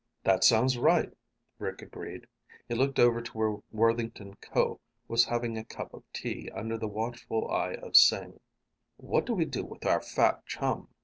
"That sounds right," Rick agreed. He looked over to where Worthington Ko was having a cup of tea under the watchful eye of Sing. "What do we do with our fat chum?"